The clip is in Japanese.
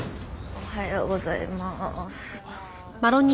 おはようございます。